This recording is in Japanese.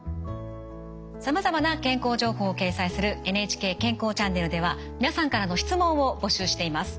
さまざまな健康情報を掲載する「ＮＨＫ健康チャンネル」では皆さんからの質問を募集しています。